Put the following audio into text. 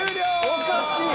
おかしい。